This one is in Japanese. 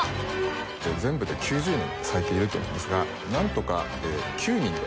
全部で９０人最低要ると思うんですがなんとか９人で。